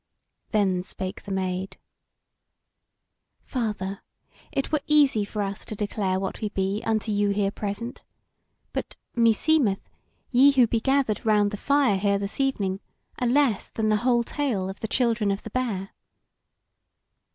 Then spake the Maid: "Father, it were easy for us to declare what we be unto you here present. But, meseemeth, ye who be gathered round the fire here this evening are less than the whole tale of the children of the Bear."